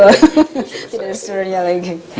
gak ada story nya lagi